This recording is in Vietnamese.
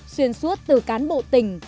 xuyên suốt từ cán bộ tỉnh